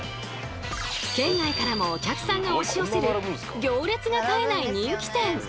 県外からもお客さんが押し寄せる行列が絶えない人気店。